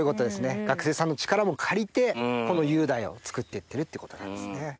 学生さんの力も借りてこのゆうだいを作っていってるってことなんですね。